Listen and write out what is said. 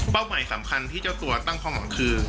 ใหม่สำคัญที่เจ้าตัวตั้งความหวังคือ